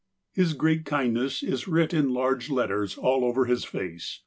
His great kindness is writ in large letters all over his face.